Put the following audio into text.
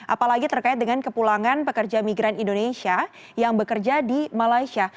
apalagi terkait dengan kepulangan pekerja migran indonesia yang bekerja di malaysia